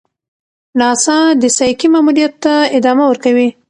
ناسا د سایکي ماموریت ته ادامه ورکوي.